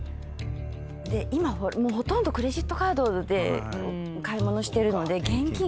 今もうほとんどクレジットカードで買い物してるので現金が。